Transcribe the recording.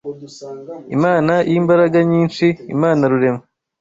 Imana y’imbaraga nyinshi, Imana Rurema